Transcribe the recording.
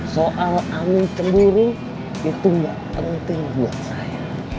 soal amin cemburu itu gak penting buat saya